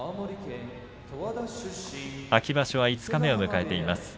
秋場所は五日目を迎えています。